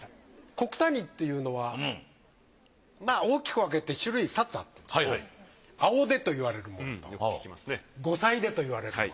古九谷っていうのは大きく分けて種類２つあって青手と言われるものと五彩手と言われるもの。